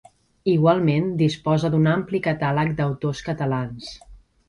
Igualment, disposa d'un ampli catàleg d'autors catalans.